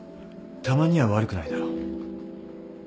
たまには悪くないだろ？